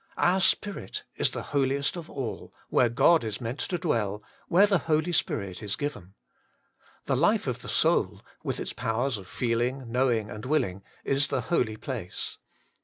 Our spirit Is the Holiest of alt, when God is meant to dwell, where the Holy Spirit is given. The life of the soul, with its powers of feeling, knowing, and willing, Is the holy place.